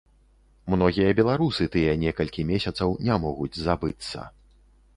Многія беларусы тыя некалькі месяцаў не могуць забыцца.